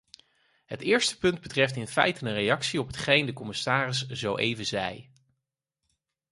Het eerste punt betreft in feite een reactie op hetgeen de commissaris zo-even zei.